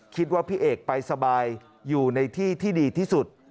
พี่เอกไปสบายอยู่ในที่ที่ดีที่สุด